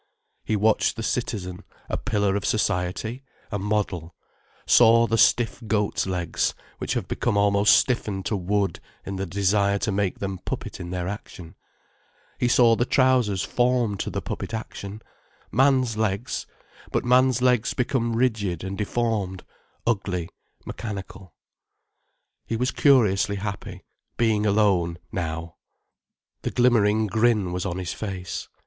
He watched the citizen, a pillar of society, a model, saw the stiff goat's legs, which have become almost stiffened to wood in the desire to make them puppet in their action, he saw the trousers formed to the puppet action: man's legs, but man's legs become rigid and deformed, ugly, mechanical. He was curiously happy, being alone, now. The glimmering grin was on his face.